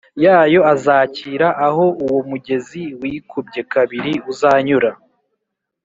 yayo azakira Aho uwo mugezi wikubye kabiri uzanyura